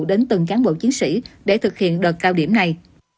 đến từng cán bộ chiến sĩ để thực hiện đợt cao điểm này